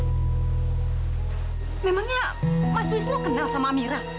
amira memangnya mas wisnu kenal sama amira